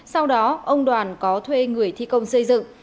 sau đó ông đoàn có thuê người thi công xây dựng